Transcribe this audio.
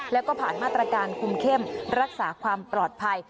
แล้วก็ผ่านมาตรการคุมเข้มรักษาความปลอดภัย